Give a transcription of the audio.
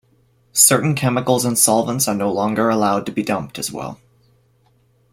Certain chemicals and solvents are no longer allowed to be dumped, as well.